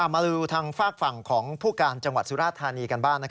มาดูทางฝากฝั่งของผู้การจังหวัดสุราธานีกันบ้าง